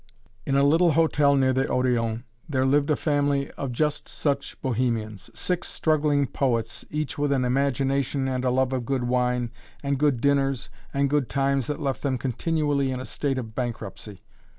In a little hotel near the Odéon, there lived a family of just such bohemians six struggling poets, each with an imagination and a love of good wine and good dinners and good times that left them continually in a state of bankruptcy!